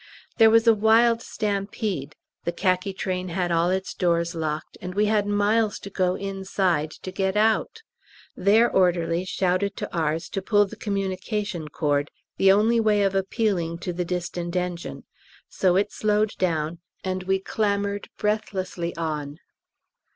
There was a wild stampede; the Khaki Train had all its doors locked, and we had miles to go inside to get out. Their orderlies shouted to ours to pull the communication cord the only way of appealing to the distant engine; so it slowed down, and we clambered breathlessly on.